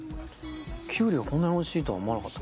キュウリがこんなにおいしいとは思わなかった。